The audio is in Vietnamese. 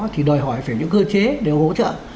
thì đòi hỏi phải những cơ chế để hỗ trợ